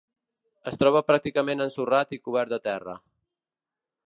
Es troba pràcticament ensorrat i cobert de terra.